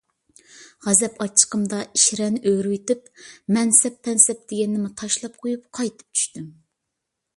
غەزەپ ئاچچىقىمدا شىرەنى ئۆرۈۋېتىپ، مەنسەپ - پەنسەپ دېگەننىمۇ تاشلاپ قويۇپ قايتىپ چۈشتۈم.